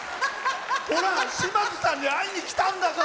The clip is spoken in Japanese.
島津さんに会いに来たんだから。